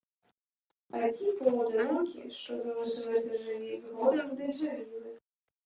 А ті поодинокі, що залишилися живі, згодом здичавіли